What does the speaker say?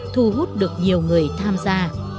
thu hút được nhiều người tham gia